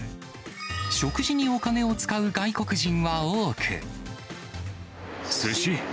食事にお金を使う外国人は多く。